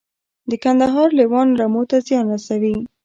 د کندهار لیوان رمو ته زیان رسوي؟